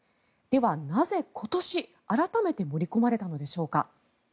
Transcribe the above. では、なぜ今年改めて盛り込まれたのでしょうか。